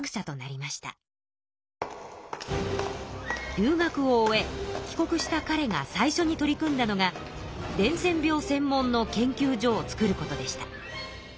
留学を終え帰国したかれが最初に取り組んだのが伝染病専門の研究所を作ることでした。